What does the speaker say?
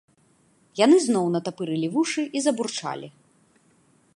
Яны зноў натапырылі вушы і забурчалі.